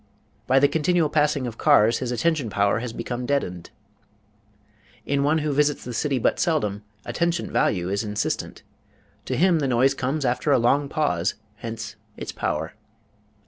By the continual passing of cars his attention power has become deadened. In one who visits the city but seldom, attention value is insistent. To him the noise comes after a long pause; hence its power.